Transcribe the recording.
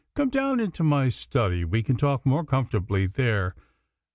Come down into my study. We can talk more comfortably there."